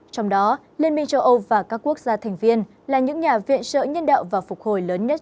trong đó liên minh châu âu và các quốc gia thành viên là những nhà viện trợ nhân đạo và phục hồi lớn nhất